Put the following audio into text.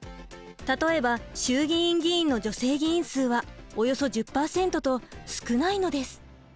例えば衆議院議員の女性議員数はおよそ１０％と少ないのです。